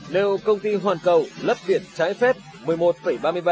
nêu công ty hoàn cầu lấp biển trái phép